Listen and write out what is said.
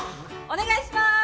お願いします。